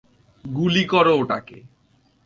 গুলি করো ওটাকে!